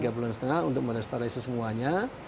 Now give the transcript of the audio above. tiga bulan setengah untuk merestorasi semuanya